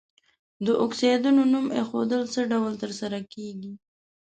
د اکسایدونو نوم ایښودل څه ډول تر سره کیږي؟